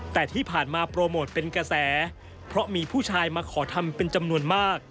แต่ที่ผ่านมาโปรโมทเป็นกระแสเพราะมีผู้ชายมาขอทำเป็นจำนวนมาก